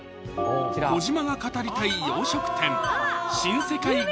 小島が語りたい洋食店